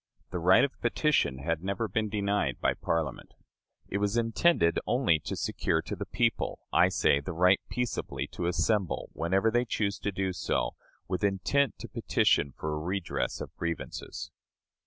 The right of petition had never been denied by Parliament. It was intended only to secure to the people, I say, the right peaceably to assemble, whenever they choose to do so, with intent to petition for a redress of grievances.